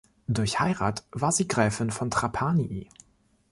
Durch Heirat war sie Gräfin von Trapani.